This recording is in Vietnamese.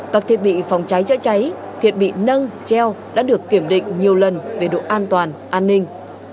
các thiết bị phòng cháy chữa cháy thiết bị nâng treo đã được kiểm định nhiều lần về độ an toàn an ninh